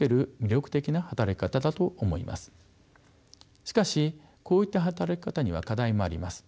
しかしこういった働き方には課題もあります。